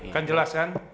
kan jelas kan